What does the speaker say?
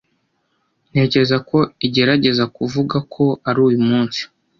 Ntekereza ko igerageza kuvuga ko ari uyu munsi